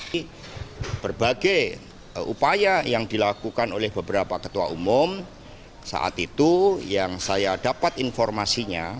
ini berbagai upaya yang dilakukan oleh beberapa ketua umum saat itu yang saya dapat informasinya